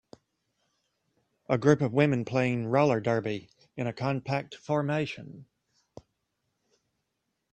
A group of women playing roller derby in a compact formation.